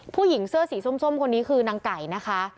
ผู้หญิงเสื้อสีส้มคนนี้คือนางไก่นะคะ